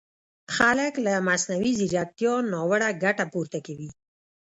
خلک له مصنوعي ځیرکیتا ناوړه ګټه پورته کوي!